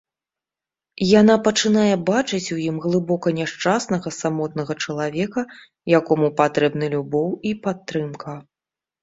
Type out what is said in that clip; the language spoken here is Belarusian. Яна пачынае бачыць у ім глыбока няшчаснага самотнага чалавека, якому патрэбны любоў і падтрымка.